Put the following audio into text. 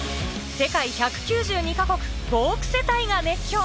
世界１９２か国、５億世帯が熱狂。